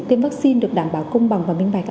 tiêm vaccine được đảm bảo công bằng và minh bạch